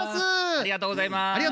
ありがとうございます。